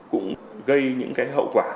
cũng gây những cái hậu quả